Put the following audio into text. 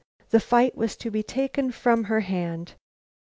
The fight was to be taken from her hand.